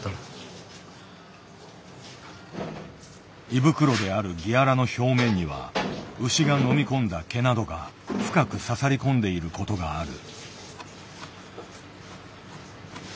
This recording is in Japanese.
胃袋であるギアラの表面には牛が飲み込んだ毛などが深く刺さりこんでいることがある。